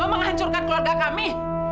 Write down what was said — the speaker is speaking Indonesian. mau menghancurkan keluarga kami